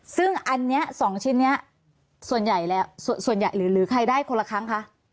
ซึ่งอันนี้๒ชิ้นนี้ส่วนใหญ่หรือใครได้คนละครั้งคะ